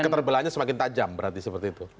keterbelahannya semakin tajam berarti seperti itu